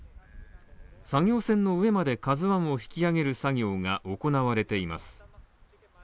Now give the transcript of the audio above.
作業船の上まで「ＫＡＺＵ１」を引き揚げる作業が行われています。